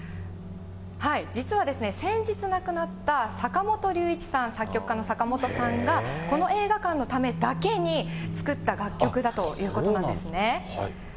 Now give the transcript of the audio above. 実はですね、先日亡くなった坂本龍一さん、作曲家の坂本さんが、この映画館のためだけに作った楽曲だということなんですね。